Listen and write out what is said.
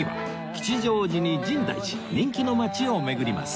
吉祥寺に深大寺人気の街を巡ります